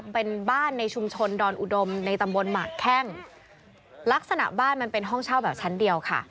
เป็นบ้านในชุมชนดอนอุดมในตำบลหมากแข้งลักษณะบ้านมันเป็นห้องเช่าแบบชั้นเดียวค่ะ